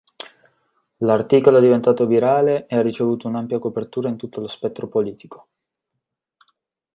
L'articolo è diventato virale e ha ricevuto un'ampia copertura in tutto lo spettro politico.